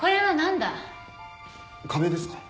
壁ですか？